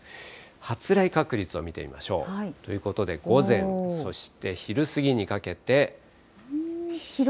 発雷確率を見てみましょう。ということで午前、そして昼過ぎにかけて。